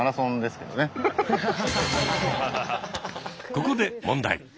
ここで問題。